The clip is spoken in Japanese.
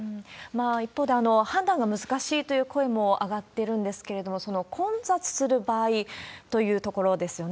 一方で、判断が難しいという声も上がってるんですけれども、その混雑する場合というところですよね。